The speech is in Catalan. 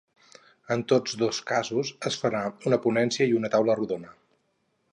En tots dos casos, es farà una ponència i una taula rodona.